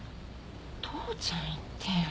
父ちゃん言ってよ。